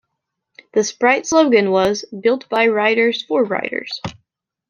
The Sprite slogan was "Built by riders-for riders".